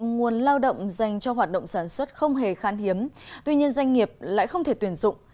nguồn lao động dành cho hoạt động sản xuất không hề khán hiếm tuy nhiên doanh nghiệp lại không thể tuyển dụng